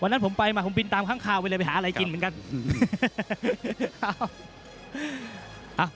นั้นผมไปมาผมบินตามข้างคาวไปเลยไปหาอะไรกินเหมือนกัน